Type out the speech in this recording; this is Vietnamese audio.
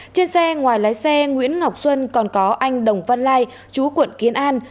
trên xe ngoài lái xe nguyễn ngọc xuân còn có anh đồng văn lai chú quận kiến an